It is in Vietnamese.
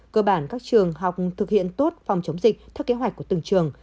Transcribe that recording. cơ bản các trường học thực hiện tốt phòng chống dịch theo kế hoạch của từng trường